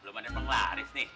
belum ada yang penglaris nih